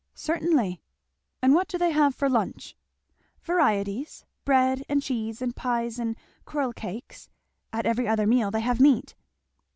"Certainly." "And what do they have for lunch?" "Varieties. Bread and cheese, and pies, and Quirlcakes; at every other meal they have meat."